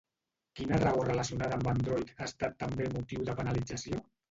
Quina raó relacionada amb Android ha estat també motiu de penalització?